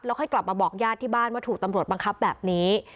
ค่อยกลับมาบอกญาติที่บ้านว่าถูกตำรวจบังคับแบบนี้